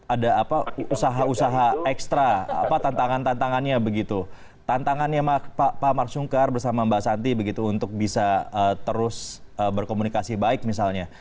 ada apa usaha usaha ekstra tantangan tantangannya begitu tantangannya pak marsungkar bersama mbak santi begitu untuk bisa terus berkomunikasi baik misalnya